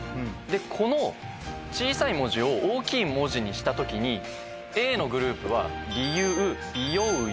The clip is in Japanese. この小さい文字を大きい文字にした時にＡのグループは。